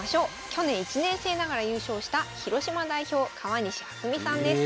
去年１年生ながら優勝した広島代表川西彩遥さんです。